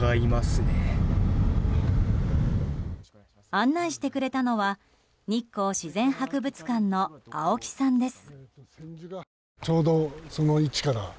案内してくれたのは日光自然博物館の青木さんです。